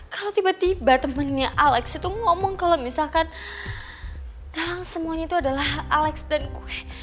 kalau tiba tiba temannya alex itu ngomong kalau misalkan kalian semuanya itu adalah alex dan kue